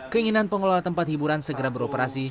keinginan pengelola tempat hiburan segera beroperasi